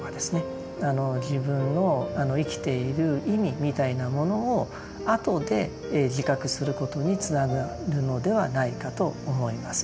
自分の生きている意味みたいなものを後で自覚することにつながるのではないかと思います。